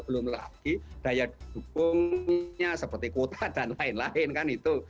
belum lagi daya dukungnya seperti kuota dan lain lain kan itu